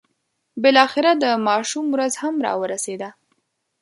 بالاخره د ماشوم ورځ هم را ورسېده.